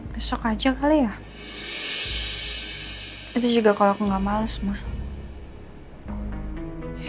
besok aja kali ya itu juga kalau aku gak males mah